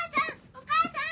お母さん！